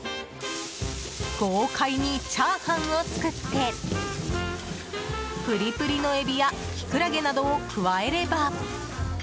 豪快にチャーハンを作ってプリプリのエビやキクラゲなどを加えれば。